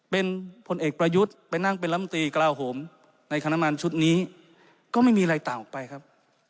เป็นผลเอกประยุทธ์ไปนั่งเป็นลำตีกระลาโหมในคณะมันชุดนี้ก็ไม่มีอะไรต่างออกไปครับ